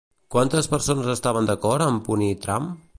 Quantes persones estaven d'acord amb punir Trump?